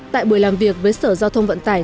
tại buổi làm việc với sở giao thông vận tải